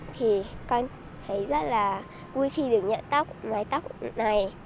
thì con thấy rất là vui khi được nhận tóc mái tóc này